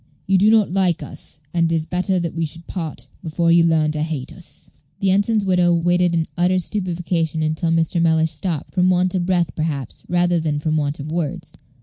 You do not like us, and it is better that we should part before you learn to hate us." The ensign's widow waited in utter stupefaction until Mr. Mellish stopped, from want of breath, perhaps, rather than from want of words.